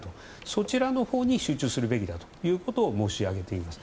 そちらのほうに集中するべきだということを申し上げています。